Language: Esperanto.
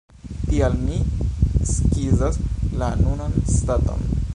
Tial mi skizas la nunan staton.